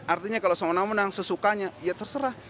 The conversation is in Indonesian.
artinya kalau sewenang wenang sesukanya ya terserah